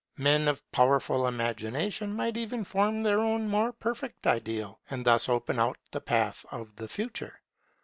Men of powerful imagination might even form their own more perfect ideal, and thus open out the path of the future.